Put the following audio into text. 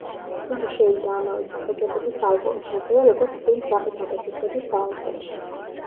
იგი შევიდა ამავე სახელწოდების ალბომში, ისევე, როგორც ფილმ „სახიფათო ფიქრების“ საუნდტრეკში.